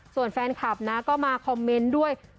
ส่วนแฟนคลับนะก็มาคอมเมนต์ด้วย